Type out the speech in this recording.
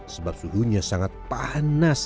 sebab suhunya sangat panas